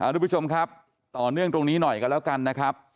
ทุกผู้ชมครับต่อเนื่องตรงนี้หน่อยกันแล้วกันนะครับ